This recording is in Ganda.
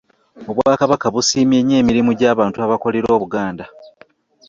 Obwakabaka busimye nnyo emirimu gy'abantu abakolera obuganda.